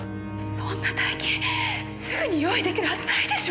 そんな大金すぐに用意出来るはずないでしょ！